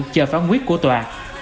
chờ phán quyết của tòa